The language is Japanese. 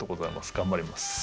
頑張ります。